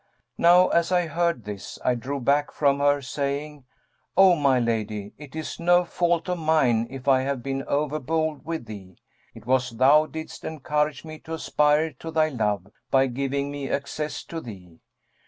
Now as I heard this, I drew back from her, saying, 'O my lady, it is no fault of mine if I have been over bold with thee; it was thou didst encourage me to aspire to thy love, by giving me access to thee.'